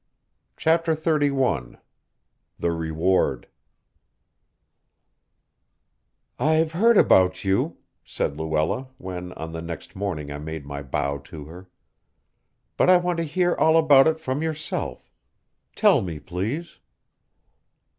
CHAPTER XXXI THE REWARD "I've heard about you," said Luella, when on the next evening I made my bow to her. "But I want to hear all about it from yourself. Tell me, please."